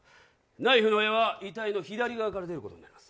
ナイフの柄は遺体の左側から出ることになります。